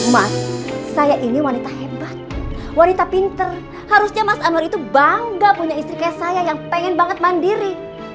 mas saya ini wanita hebat wanita pinter harusnya mas anur itu bangga punya istri kayak saya yang pengen banget mandiri